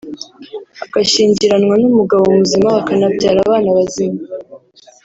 agashyingiranwa n’umugabo muzima bakanabyara abana bazima